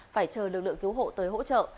phải chờ lực lượng cứu hộ tới hỗ trợ